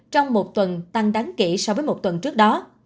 trong một tuần tăng đáng kể so với một tuần trước đó